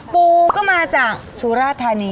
ปูก็มาจากสุราธานี